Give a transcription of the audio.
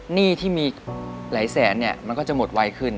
หนี้ที่มีหลายแสนเนี่ยมันก็จะหมดไวขึ้น